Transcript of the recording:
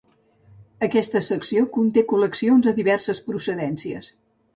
Aquesta secció conté col·leccions de diverses procedències.